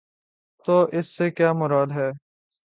تو اس سے کیا مراد ہے؟